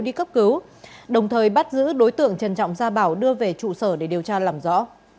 đi cấp cứu đồng thời bắt giữ đối tượng trần trọng gia bảo đưa về trụ sở để điều tra làm rõ